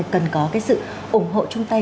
cần có cái sự ủng hộ chung tay